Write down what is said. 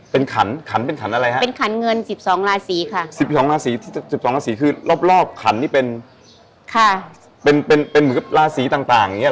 เป็นขันขันขันอะไรฮะเป็นขันเงินสิบสองลาสีค่ะสิบสองลาสีที่สิบสองลาสีคือรอบรอบขันนี่เป็นค่ะเป็นเป็นเป็นเหมือนลาสีต่างต่างอย่างเงี้ยหรอ